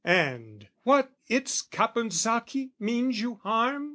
"And what, it's Caponsacchi means you harm?